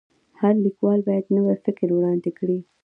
هر لیکوال باید نوی فکر وړاندي کړي.